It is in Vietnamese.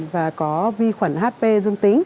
và có vi khuẩn hp dương tính